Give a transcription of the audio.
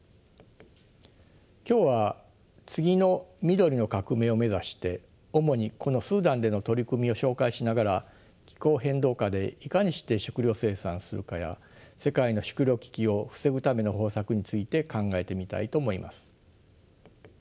今日は次の緑の革命を目指して主にこのスーダンでの取り組みを紹介しながら気候変動下でいかにして食糧生産するかや世界の食糧危機を防ぐための方策について考えてみたいと思います。